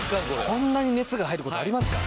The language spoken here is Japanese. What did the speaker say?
こんなに熱が入る事ありますか？